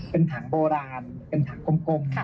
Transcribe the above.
เป็นถังโบราณเป็นถังกลม